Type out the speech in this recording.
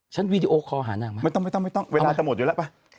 ฉันวีดีโอขอหานางมาไม่ต้องเวลาจะหมดอยู่แล้วไป